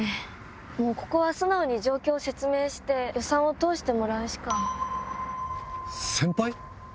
もうここは素直に状況を説明して予算を通してもらうしか。